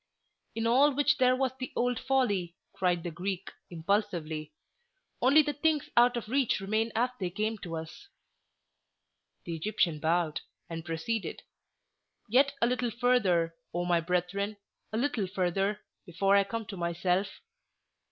"In all which there was the old folly!" cried the Greek, impulsively. "Only the things out of reach remain as they came to us." The Egyptian bowed, and proceeded: "Yet a little further, O my brethren, a little further, before I come to myself.